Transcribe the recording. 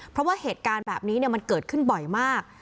เพราะว่าเหตุการณ์แบบนี้มันเกิดขึ้นบ่อยมาก